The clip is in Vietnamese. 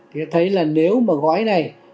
thì thấy là nếu mà gói này